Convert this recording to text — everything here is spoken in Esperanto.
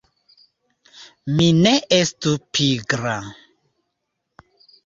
Mi ne estu pigra!